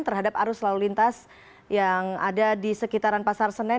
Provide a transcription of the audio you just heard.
terhadap arus lalu lintas yang ada di sekitaran pasar senen